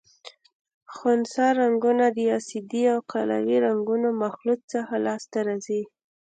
خنثی رنګونه د اسیدي او قلوي رنګونو مخلوط څخه لاس ته راځي.